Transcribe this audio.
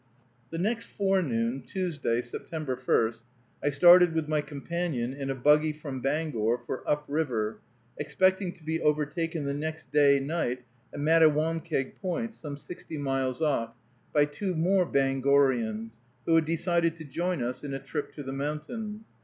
The next forenoon, Tuesday, September 1, I started with my companion in a buggy from Bangor for "up river," expecting to be overtaken the next day night at Mattawamkeag Point, some sixty miles off, by two more Bangoreans, who had decided to join us in a trip to the mountain.